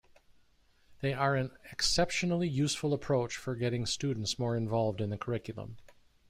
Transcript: They are an exceptionally useful approach for getting students more involved in the curriculum.